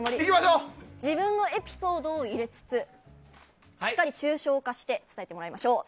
自分のエピソードを入れつつしっかり抽象化して伝えてもらいましょう。